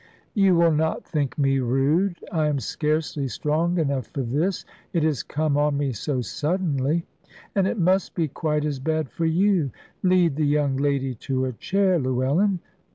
"You will not think me rude I am scarcely strong enough for this it has come on me so suddenly. And it must be quite as bad for you. Lead the young lady to a chair, Llewellyn.